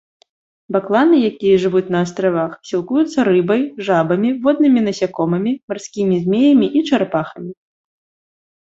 Бакланы, якія жывуць на астравах, сілкуюцца рыбай, жабамі, воднымі насякомымі, марскімі змеямі і чарапахамі.